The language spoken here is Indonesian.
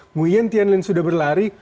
kemudian tian lin sudah berlari